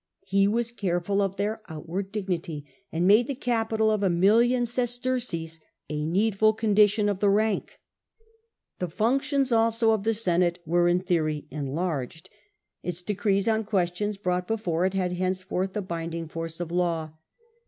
He was careful of their outward dignity, and made the capital of a million sesterces a needful condition of the rank. The functions also of the Senate were in theory enlarged. Its decrees on questions brought before it had henceforth the binding force of law.